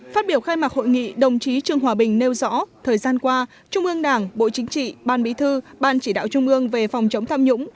phát biểu khai mạc hội nghị đồng chí trương hòa bình nêu rõ thời gian qua trung ương đảng bộ chính trị ban bí thư ban chỉ đạo trung ương về phòng chống tham nhũng